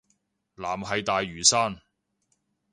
藍係大嶼山